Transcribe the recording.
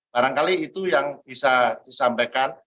barangkali itu yang bisa disampaikan